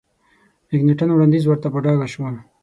مکناټن وړاندیز ورته په ډاګه شو.